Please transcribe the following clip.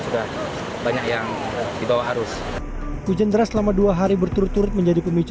sudah banyak yang dibawa arus hujan deras selama dua hari berturut turut menjadi pemicu